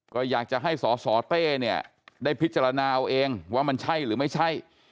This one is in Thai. ก็อยากจะให้สสเต้เนี่ยได้พิจารณาเอาเองว่ามันใช่หรือไม่ใช่